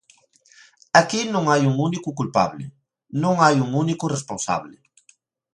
Aquí non hai un único culpable, non hai un único responsable.